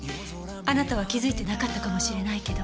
あなたは気づいてなかったかもしれないけど。